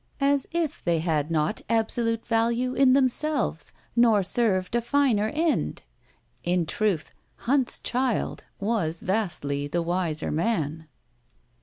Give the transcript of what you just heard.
As if they had not absolute value in themselves, nor served a finer end! In truth, Hunt's child was vastly the wiser man.